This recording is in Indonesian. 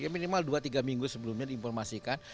minimal dua tiga minggu sebelumnya diinformasikan